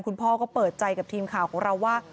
คุณพ่อก็เปิดใจกับทีมข่าวของเราว่า